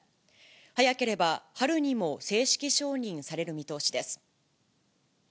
早ければ春にも正式承認される見通しです。